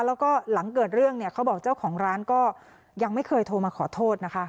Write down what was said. แล้วก็หลังเกิดเรื่องเนี่ยเขาบอกเจ้าของร้านก็ยังไม่เคยโทรมาขอโทษนะคะ